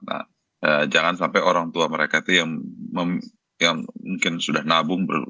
nah jangan sampai orang tua mereka itu yang mungkin sudah nabung